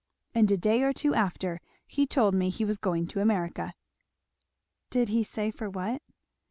And a day or two after he told me he was going to America." "Did he say for what?"